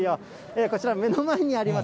こちら、目の前にあります